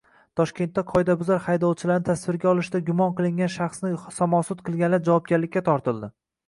Toshkentda qoidabuzar haydovchilarni tasvirga olishda gumon qilingan shaxsni samosud qilganlar javobgarlikka tortildi